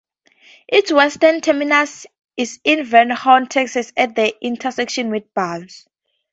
Its western terminus is in Van Horn, Texas at an intersection with Bus.